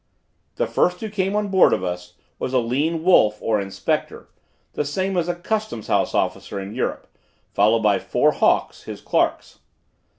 The first who came on board of us, was a lean wolf or inspector, the same as a custom house officer in Europe, followed by four hawks, his clerks.